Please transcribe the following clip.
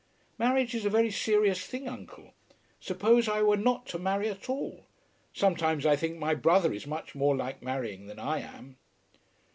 "Marriage is a very serious thing, uncle. Suppose I were not to marry at all! Sometimes I think my brother is much more like marrying than I am."